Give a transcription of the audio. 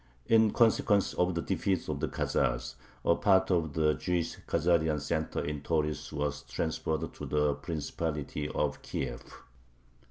In consequence of the defeat of the Khazars, a part of the Jewish Khazarian center in Tauris was transferred to the Principality of Kiev.